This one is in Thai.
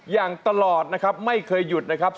อย่างตลอดนะครับไม่เคยหยุดนะครับ